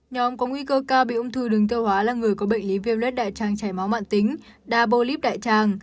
nhóm có nguy cơ cao bị ung thư đường tiêu hóa là người có bệnh lý viêm lết đại trang chảy máu mặn tính đa bô líp đại trang